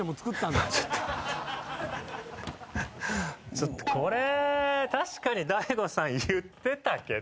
ちょっとこれ確かに大悟さん言ってたけど。